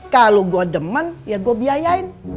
kalau gue deman ya gue biayain